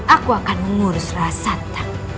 aku akan mengurus rahasanta